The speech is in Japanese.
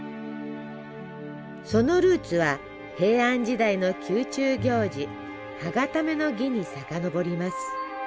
そのルーツは平安時代の宮中行事歯固めの儀に遡ります。